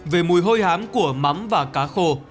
về mùi hôi hám của mắm và cá khô